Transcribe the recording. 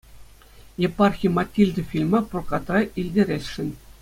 Епархи «Матильда» фильма прокартра илтересшӗн.